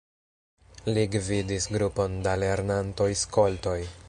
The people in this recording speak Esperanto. Li gvidis grupon da lernantoj-skoltoj.